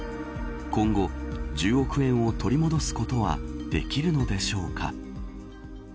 今後、１０億円を取り戻すことはできるのでしょうか。